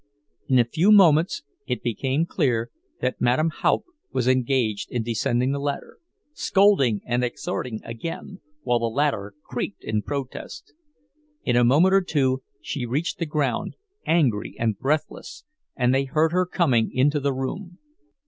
In a few moments it became clear that Madame Haupt was engaged in descending the ladder, scolding and exhorting again, while the ladder creaked in protest. In a moment or two she reached the ground, angry and breathless, and they heard her coming into the room.